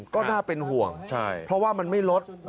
ก็น่าเป็นห่วงเพราะว่ามันไม่ลด